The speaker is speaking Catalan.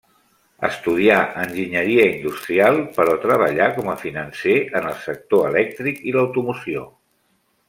Estudià enginyeria industrial però treballà com a financer en el sector elèctric i l'automoció.